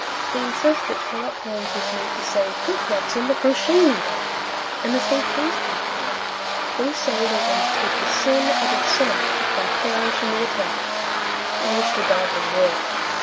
They insist that Sherlock Holmes is made to say, "Quick, Watson, the crochet needle!" And the state pays them for it. They say they are going to take the sin out of cinema If they perish in the attempt, I wish to God they would!